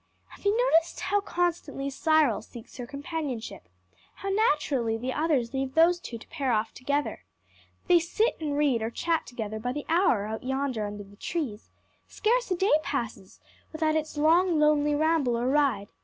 "Have you noticed how constantly Cyril seeks her companionship? how naturally the others leave those two to pair off together? They sit and read or chat together by the hour out yonder under the trees; scarce a day passes without its long, lonely ramble or ride.